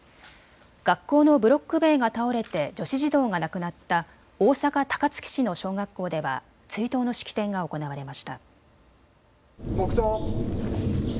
学校のブロック塀が倒れて女子児童が亡くなった大阪高槻市の小学校では追悼の式典が行われました。